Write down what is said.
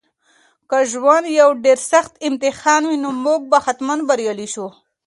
که ژوند یو ډېر سخت امتحان وي نو موږ به حتماً بریالي شو.